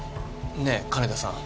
ねえ金田さん